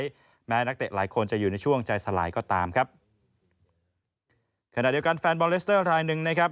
และแม้นักเตะหลายคนจะอยู่ในช่วงใจสลายก็ตามครับขณะเดียวกันแฟนบอลเลสเตอร์รายหนึ่งนะครับ